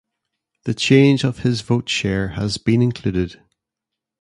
The change of his vote share has been included.